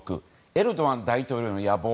エルドアン大統領の野望